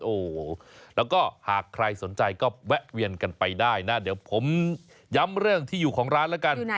โอ้โหแล้วก็หากใครสนใจก็แวะเวียนกันไปได้นะเดี๋ยวผมย้ำเรื่องที่อยู่ของร้านแล้วกัน